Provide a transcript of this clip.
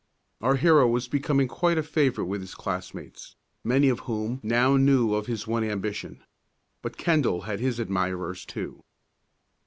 Our hero was becoming quite a favorite with his classmates, many of whom now knew of his one ambition. But Kendall had his admirers too.